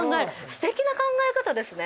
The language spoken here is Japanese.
すてきな考え方ですね。